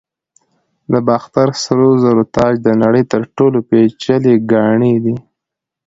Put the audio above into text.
د باختر سرو زرو تاج د نړۍ تر ټولو پیچلي ګاڼې دي